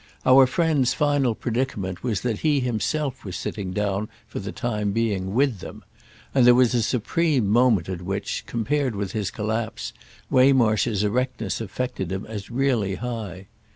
Our friend's final predicament was that he himself was sitting down, for the time, with them, and there was a supreme moment at which, compared with his collapse, Waymarsh's erectness affected him as really high.